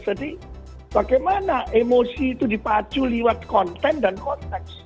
jadi bagaimana emosi itu dipacu lewat konten dan konteks